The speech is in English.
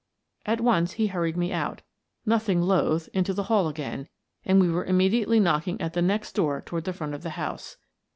At once he hurried me out, nothing loath, into the hall again, and we were immediately knocking at the next door toward the front of the house.